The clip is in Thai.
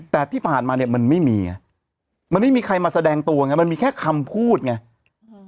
แต่ที่ผ่านมาเนี่ยมันไม่มีไงมันไม่มีใครมาแสดงตัวไงมันมีแค่คำพูดไงอืม